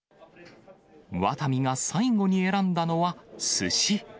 ワタミが最後に選んだのはすし。